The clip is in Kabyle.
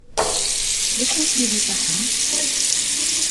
D acu i kem-id-iṣaḥen?